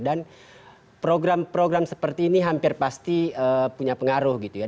dan program program seperti ini hampir pasti punya pengaruh gitu ya